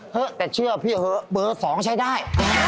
เฮ้แต่เชื่อพี่เฮ้เบอร์๒ใช้ได้